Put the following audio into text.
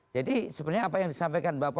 jadi sebenarnya apa yang disampaikan mbak puan